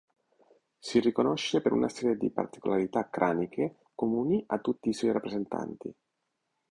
Si riconosce per una serie di particolarità craniche comuni a tutti i suoi rappresentanti.